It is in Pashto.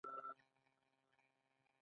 د ښځو او نارینه وو بدن توپیر لري